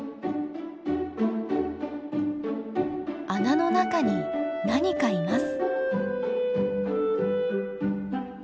穴の中に何かいます。